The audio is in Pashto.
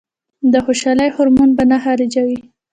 او د خوشالۍ هارمون به نۀ خارجوي -